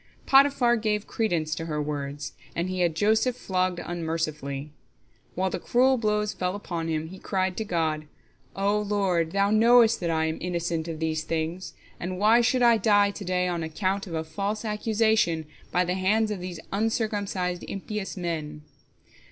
Potiphar gave credence to her words, and he had Joseph flogged unmercifully. While the cruel blows fell upon him, he cried to God, "O Lord, Thou knowest that I am innocent of these things, and why should I die to day on account of a false accusation by the hands of these uncircumcised, impious men?"